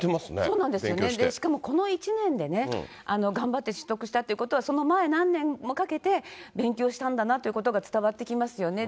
そうなんですよね、しかもこの１年でね、頑張って取得したということは、その前、何年もかけて勉強したんだなということが伝わってきますよね。